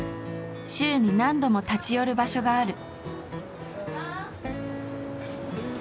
週に何度も立ち寄る場所がある。